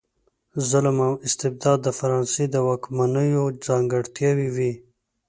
ظلم او استبداد د فرانسې د واکمنیو ځانګړتیاوې وې.